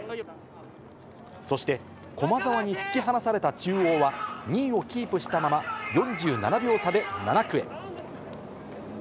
そして駒澤に突き放された中央は、２位をキープしたまま、４７秒差で７区へ。